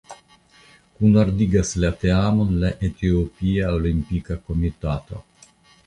Kunordigas la teamon la Etiopia Olimpika Komitato.